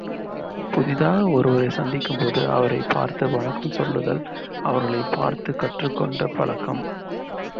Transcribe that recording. புதிதாக ஒருவரைச் சந்திக்கும்போது அவரைப் பார்த்து வணக்கம் சொல்லுதலும் அவர்களைப் பார்த்துக் கற்றுக்கொண்ட பழக்கம்.